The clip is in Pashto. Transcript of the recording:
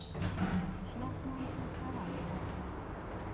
د شنه اسمان پر دړه وکرله